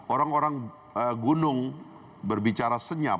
orang orang gunung berbicara senyap